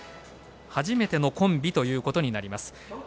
初めてのコンビということになります。